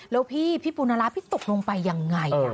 แล้วพี่พี่ปูนาระพี่ตกลงไปยังไง